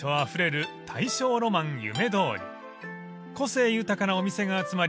［個性豊かなお店が集まり